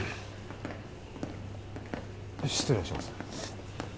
失礼します